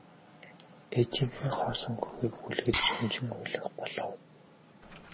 Эхийнхээ хоосон хөхийг үлгэж шөнөжин уйлах болов.